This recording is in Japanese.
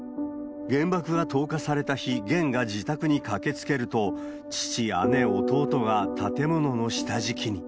原爆が投下された日、ゲンが自宅に駆けつけると、父、姉、弟が建物の下敷きに。